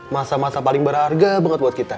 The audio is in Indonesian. masa masa paling berharga banget buat kita